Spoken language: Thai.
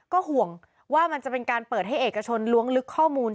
ก็ห่วงว่ามันจะเป็นการเปิดให้เอกชนล้วงลึกข้อมูล